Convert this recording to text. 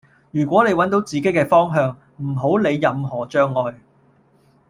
如果你搵到自己嘅方向,唔好理任何障礙